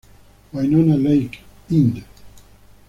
Winona Lake, Ind.